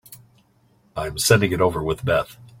I'm sending it over with Beth.